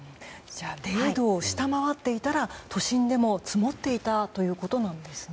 ０度を下回っていたら都心でも積もっていたということなんですね。